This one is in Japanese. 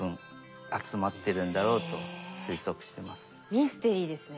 ミステリーですね。